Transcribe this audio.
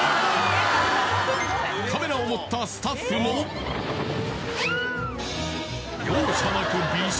カメラを持ったスタッフもキャー！